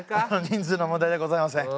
人数の問題ではございません。